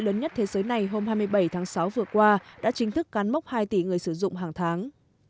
lớn nhất thế giới này hôm hai mươi bảy tháng sáu vừa qua đã chính thức cán mốc hai tỷ người sử dụng hàng tháng